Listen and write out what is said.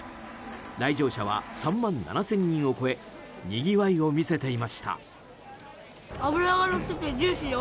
来場者は３万７０００人を超えにぎわいを見せていました。